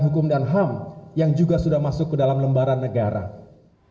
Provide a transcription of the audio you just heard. ketua dpd partai demokrat yang sah berkomplot dengan segelintir